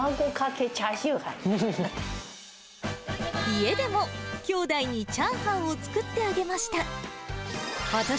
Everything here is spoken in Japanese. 家でも、きょうだいにチャーハンを作ってあげました。